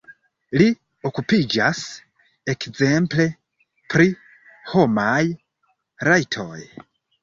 Li okupiĝas ekzemple pri homaj rajtoj.